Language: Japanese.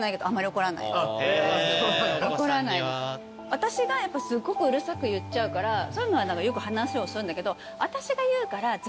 私がすっごくうるさく言っちゃうからそういうのはよく話をするんだけど。